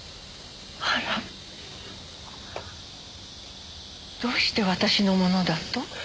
あら。どうして私のものだと？